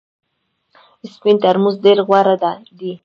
سپین ترموز ډېر غوره دی .